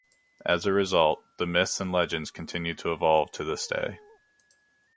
As a result, the myths and legends continue to evolve to this day.